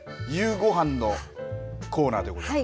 ５飯のコーナーでございます。